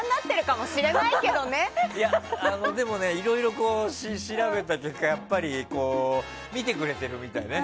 でも、いろいろ調べた結果やっぱり見てくれてるみたいね。